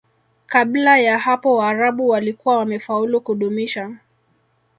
Kabla ya hapo Waarabu walikuwa wamefaulu kudumisha